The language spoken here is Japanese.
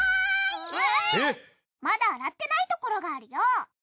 まだ洗ってないところがあるよ。